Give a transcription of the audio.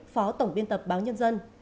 phó tổng biên tập báo nhân dân